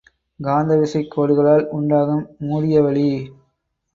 காந்த விசைக் கோடுகளால் உண்டாக்கும் மூடிய வழி.